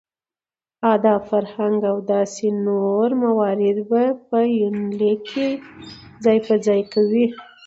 اداب ،فرهنګ او داسې نور موارد يې په يونليک کې ځاى په ځاى کوي .